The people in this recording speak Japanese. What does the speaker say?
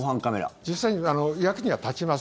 実際、役には立ちます。